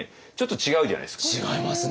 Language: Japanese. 違いますね！